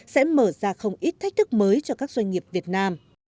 sẽ mở ra không ít thách thức mới cho các doanh nghiệp việt nam